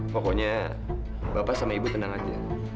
pokoknya bapak sama ibu tenang aja